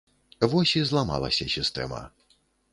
Вось і зламалася сістэма.